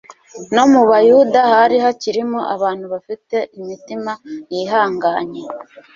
No mu Bayuda hari hakirimo abantu bafite imitima yihanganye